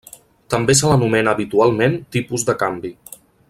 També se l'anomena habitualment tipus de canvi.